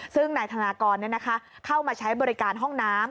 ซึ่งนายธนากรเข้ามาใช้บริการห้องน้ำ